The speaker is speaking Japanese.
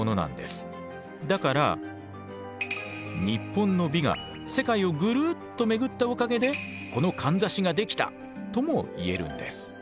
だから日本の美が世界をぐるっと巡ったおかげでこのかんざしができたとも言えるんです。